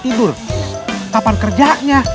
tidur kapan kerjanya